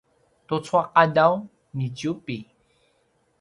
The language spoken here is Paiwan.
tucu a qadaw niciubi